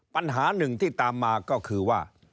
ปัญหาหนึ่งที่ตามมาก็คือว่า